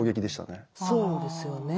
そうですよね。